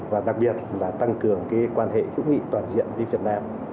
và đặc biệt là tăng cường quan hệ hữu nghị toàn diện với việt nam